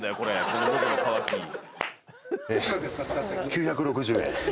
９６０円。